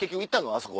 あそこ」